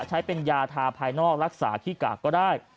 ใช้เป็นยาทาภายนอกรักษาขี้กากก็ได้